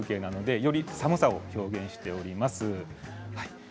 より寒さを表現しています。